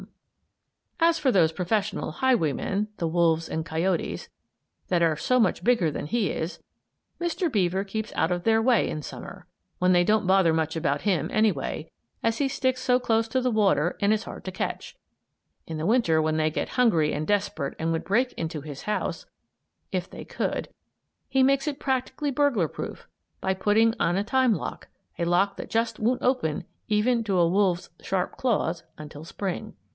] As for those professional highwaymen, the wolves and coyotes, that are so much bigger than he is, Mr. Beaver keeps out of their way in Summer, when they don't bother much about him, anyway, as he sticks so close to the water and is hard to catch. In the Winter, when they get hungry and desperate and would break into his house, if they could, he makes it practically burglar proof, by putting on a time lock; a lock that just won't open, even to a wolf's sharp claws, until Spring.